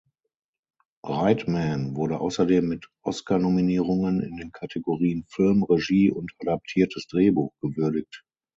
Reitman wurde außerdem mit Oscar-Nominierungen in den Kategorien "Film", "Regie" und "Adaptiertes Drehbuch" gewürdigt.